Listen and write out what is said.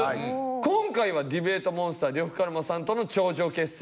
今回はディベートモンスター呂布カルマさんとの頂上決戦。